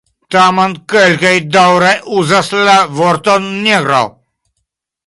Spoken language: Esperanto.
Tamen kelkaj daŭre uzas la vorton "negro".